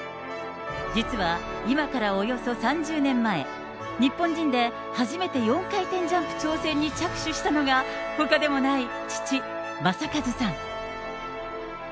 実は今からおよそ３０年前、日本人で初めて４回転ジャンプ挑戦に着手したのが、ほかでもない父、正和さん。